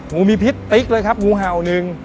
งูมีพิษตริกเลยครับงูเห่า๑